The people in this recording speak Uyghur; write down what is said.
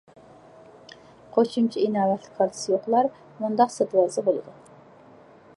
قوشۇمچە: ئىناۋەتلىك كارتىسى يوقلار مۇنداق سېتىۋالسا بولىدۇ.